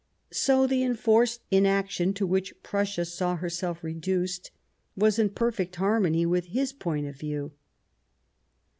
So the enforced inaction to which Prussia saw herself reduced was in perfect harmony with his point of view.